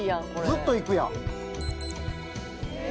ずっと行くやん。